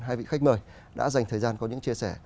hai vị khách mời đã dành thời gian có những chia sẻ